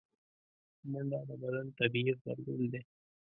منډه د بدن طبیعي غبرګون دی